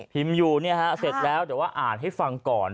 พิมพ์อยู่เนี่ยพอเสร็จแล้วเดี๋ยวว่าอ่านให้ฟังก่อน